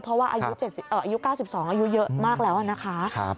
เพราะว่าอายุ๙๒อายุเยอะมากแล้วนะคะ